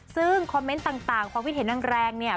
ซึ่งคอมเม้นต์ต่างความวิถีแรงเนี่ย